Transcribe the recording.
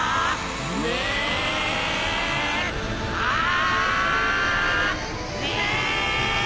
ああ。